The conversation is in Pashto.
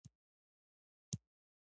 هغه کسان چې مطالعه نلري: